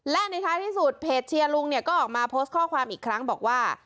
และในท้ายที่สุดเพจเชียร์ลุงเนี่ยก็ออกมาโพสต์ข้อความอีกครั้งบอกว่า